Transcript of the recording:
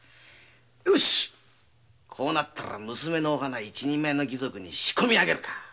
よしこうなったら娘のお花を一人前の義賊に仕込み上げるか。